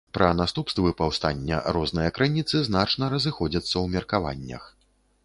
Пра наступствы паўстання розныя крыніцы значна разыходзяцца ў меркаваннях.